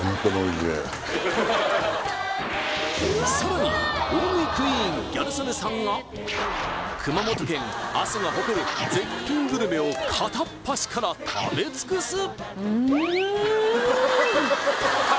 さらに大食いクイーンギャル曽根さんが熊本県阿蘇が誇る絶品グルメを片っ端から食べ尽くす！